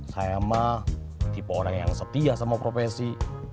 saya mah tipe orang yang setia sama profesi